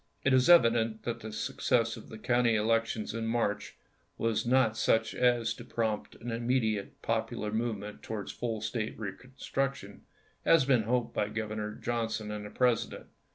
It is evident that the success of the county 1864. elections in March was not such as to prompt an immediate popular movement towards full State reconstruction as had been hoped by Governor Johnson and the President.